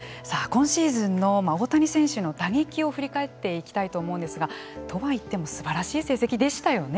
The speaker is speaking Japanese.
その選手を出さないというさあ今シーズンの大谷選手の打撃を振り返っていきたいと思うんですがとは言ってもすばらしい成績でしたよね。